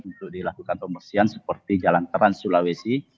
untuk dilakukan pembersihan seperti jalan trans sulawesi